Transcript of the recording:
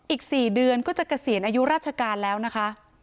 อีก๔เดือนก็จะเกษียณอายุราชการแล้วนะคะ